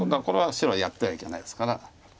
これは白はやってはいけないですから。